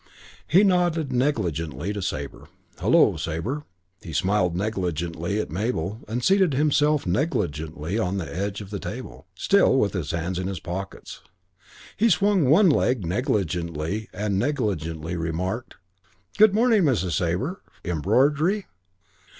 He nodded negligently to Sabre, "Hullo, Sabre." He smiled negligently at Mabel and seated himself negligently on the edge of the table, still with his hands in his pockets. He swung one leg negligently and negligently remarked, "Good morning, Mrs. Sabre. Embroidery?"